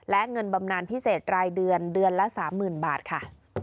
และเงินบำนานพิเศษรายเดือนเดือนละ๓๐๐๐บาทค่ะ